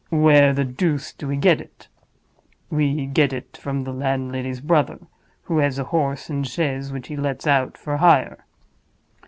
Where the deuce do we get it? We get it from the landlady's brother, who has a horse and chaise which he lets out for hire.